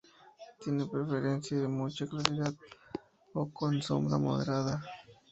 Tiene preferencia de mucha claridad o con sombra moderada.